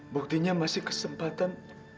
buktinya masih kesempatan